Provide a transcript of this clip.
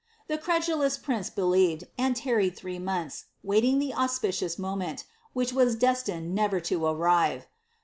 The credulous prince believed, and tarried three months, waiting the auspicious moment, which was destined never to arrive.